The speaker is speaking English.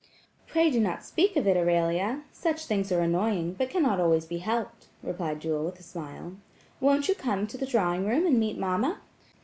"Pray do not speak of it, Aurelia; such things are annoying, but cannot always be helped," replied Jewel with a smile. "Won't you come to the drawing room and meet mamma?"